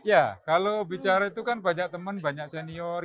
ya kalau bicara itu kan banyak teman banyak senior